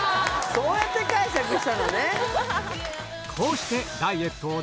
そうやって解釈したのね！